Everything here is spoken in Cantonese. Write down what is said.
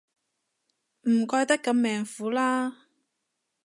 唔怪得咁命苦啦